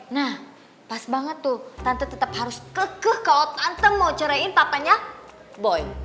nah pas banget tuh tante tetep harus kekeh kalau tante mau ceraiin papanya boy